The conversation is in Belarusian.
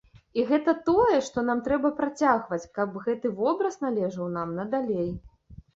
І гэта тое, што нам трэба працягваць, каб гэты вобраз належаў нам надалей.